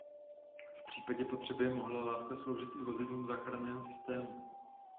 V případě potřeby mohla lávka sloužit i vozidlům záchranného systému.